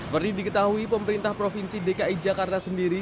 seperti diketahui pemerintah provinsi dki jakarta sendiri